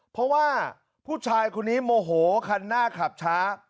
เพราะว่าผู้ชายคนนี้โมโหคันหน้าขับช้า